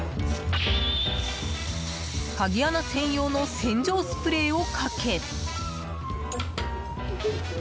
鍵穴専用の洗浄スプレーをかけ。